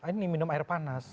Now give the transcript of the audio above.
ini minum air panas